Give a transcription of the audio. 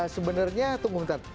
sebenarnya tunggu sebentar